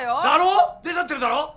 だろ！？出ちゃってるだろ？